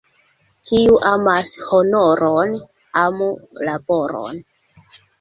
Kiu amas honoron, amu laboron.